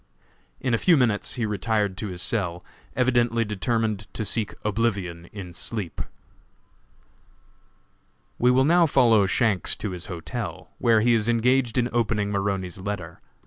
In a few minutes he retired to his cell, evidently determined to seek oblivion in sleep. We will now follow Shanks to his hotel, where he is engaged in opening Maroney's letter.